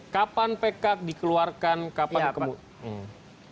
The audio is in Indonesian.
kapan pk dikeluarkan kapan hukuman mati